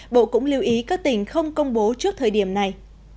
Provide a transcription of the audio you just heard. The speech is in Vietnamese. bộ cũng lưu ý các tỉnh không công bố trước thời điểm này